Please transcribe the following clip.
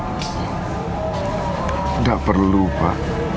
tidak perlu pak